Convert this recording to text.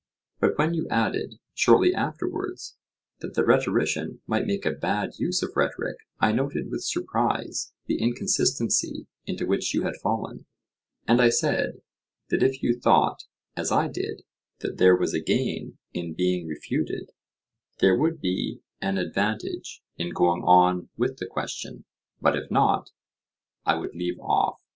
But when you added, shortly afterwards, that the rhetorician might make a bad use of rhetoric I noted with surprise the inconsistency into which you had fallen; and I said, that if you thought, as I did, that there was a gain in being refuted, there would be an advantage in going on with the question, but if not, I would leave off.